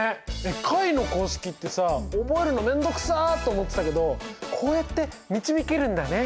解の公式ってさ覚えるのめんどくさと思ってたけどこうやって導けるんだね。